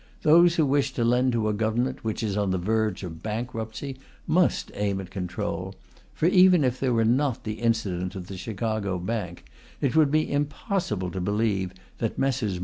Those who wish to lend to a Government which is on the verge of bankruptcy, must aim at control, for, even if there were not the incident of the Chicago Bank, it would be impossible to believe that Messrs.